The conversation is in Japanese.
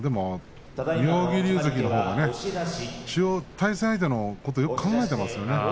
妙義龍関のほうが対戦相手のことをよく考えていますよね。